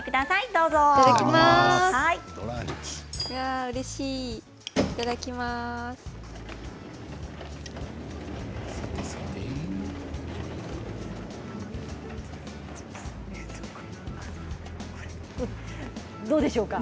どうでしょうか。